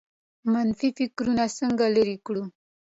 منفي فکرونه څنګه لرې کړو؟